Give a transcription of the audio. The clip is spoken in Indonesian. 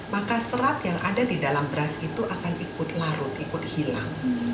maka serat yang ada di dalam beras itu akan ikut larut ikut hilang